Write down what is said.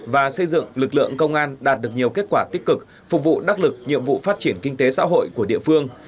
và xây dựng lực lượng công an đạt được nhiều kết quả tích cực phục vụ đắc lực nhiệm vụ phát triển kinh tế xã hội của địa phương